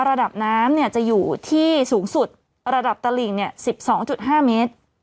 ระดับน้ำเนี่ยจะอยู่ที่สูงสุดระดับตระหลิงเนี่ยสิบสองจุดห้าเมตร